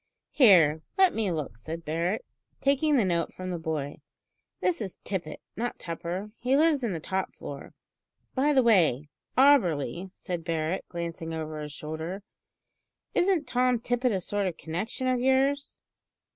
"Here, let me look," said Barret, taking the note from the boy. "This is Tippet, not Tupper. He lives in the top floor. By the way, Auberly," said Barret, glancing over his shoulder, "Isn't Tom Tippet a sort of connection of yours?"